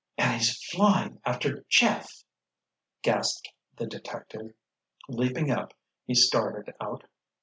"And he's flying after Jeff!" gasped the detective—leaping up he started out.